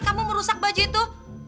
kamu merusak baju itu